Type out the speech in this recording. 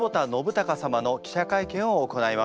貴様の記者会見を行います。